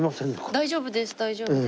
大丈夫です大丈夫です。